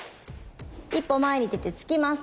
一歩前に出て突きます